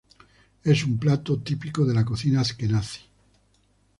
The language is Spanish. Es un plato típico de la cocina Askenazí.